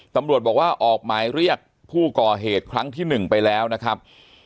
ตำรวจบอกว่าออกหมายเรียกผู้ก่อเหตุครั้งที่๑ไปแล้วนะครับ